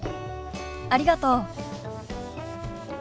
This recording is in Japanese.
ありがとう。